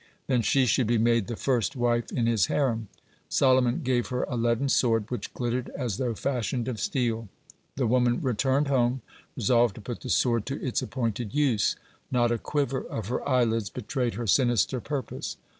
Then she should be made the first wife in his harem. Solomon gave her a leaden sword which glittered as though fashioned of steel. The woman returned home resolved to put the sword to its appointed use. Not a quiver of her eyelids betrayed her sinister purpose.